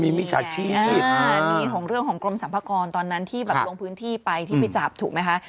มีมิจฉาชีพมีของเรื่องของกรมสรรพากรตอนนั้นที่แบบลงพื้นที่ไปที่ไปจับถูกไหมคะ